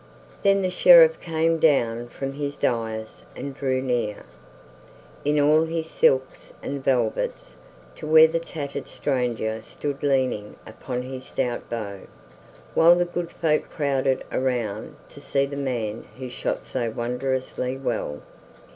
Then the Sheriff came down from his dais and drew near, in all his silks and velvets, to where the tattered stranger stood leaning upon his stout bow, while the good folk crowded around to see the man who shot so wondrously well.